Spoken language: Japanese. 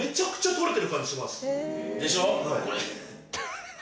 でしょ。